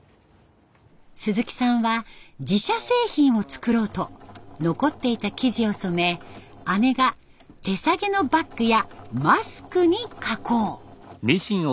鈴木さんは自社製品を作ろうと残っていた生地を染め姉が手提げのバッグやマスクに加工。